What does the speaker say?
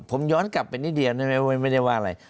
ผมย้อนกลับไปนิดเดียวไม่ได้ว่าอะไร